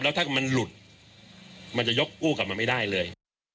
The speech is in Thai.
ถ้ามันหลุดมันจะยกกู้กลับมาไม่ได้เลย